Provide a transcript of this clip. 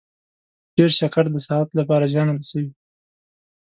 ډیر شکر د صحت لپاره زیان رسوي.